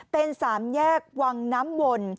เป็นสามแยกวังน้ำวล